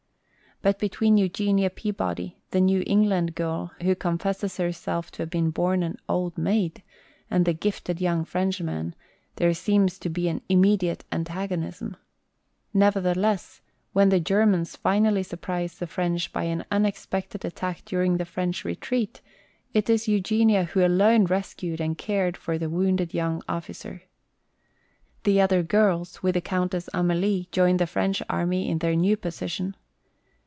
But between Eugenia Peabody, the New England girl who confesses herself to have been born an "old maid," and the gifted young Frenchman, there seems to be an immediate antagonism. Nevertheless, when the Germans finally surprise the French by an unexpected attack during the French retreat, it is Eugenia who alone rescued and cared for the wounded young officer. The other girls, with the Countess Amélie, join the French army in their new position.